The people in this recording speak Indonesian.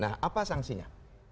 nah apa sanksinya